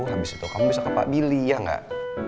abis itu kamu bisa ke pak billy ya gak